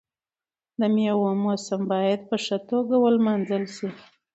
د میوو موسم باید په ښه توګه ولمانځل شي.